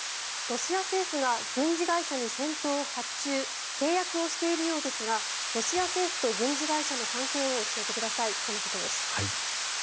ロシア政府が軍事会社に戦闘を発注契約をしているようですがロシア政府と軍事会社の関係を教えてくださいとのことです。